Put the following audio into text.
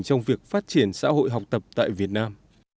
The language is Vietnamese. trong việc phát triển xã hội học tập tại việt nam